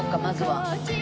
まずは。